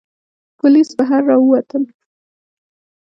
پوليس بهر را ووتل.